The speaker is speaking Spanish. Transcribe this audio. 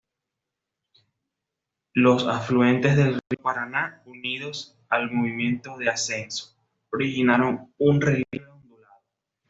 Los afluentes del río Paraná, unidos al movimiento de ascenso, originaron un relieve ondulado.